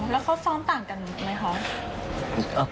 แล้วเขาซ้อมต่างกันไหมคะ